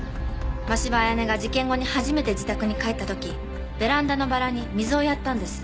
真柴綾音が事件後に初めて自宅に帰ったときベランダのバラに水をやったんです。